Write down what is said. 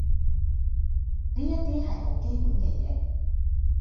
呢一啲係啲好基本嘅嘢